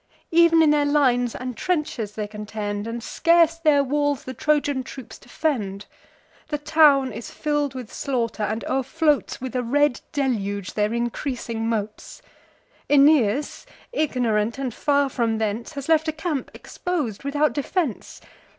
Ev'n in their lines and trenches they contend, And scarce their walls the Trojan troops defend: The town is fill'd with slaughter, and o'erfloats, With a red deluge, their increasing moats. Aeneas, ignorant, and far from thence, Has left a camp expos'd, without defence.